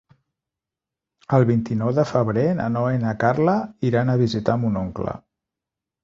El vint-i-nou de febrer na Noa i na Carla iran a visitar mon oncle.